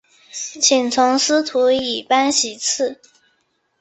请从司徒以班徙次。